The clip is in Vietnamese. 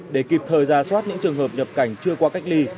để kịp thời ra soát những trường hợp nhập cảnh chưa qua cách ly